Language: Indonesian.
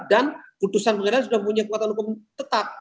dan putusan pengadilan sudah punya kekuatan hukum tetap